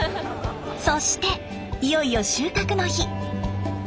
そしていよいよ収穫の日。